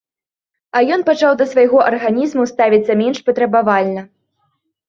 А ён пачаў да свайго арганізму ставіцца менш патрабавальна.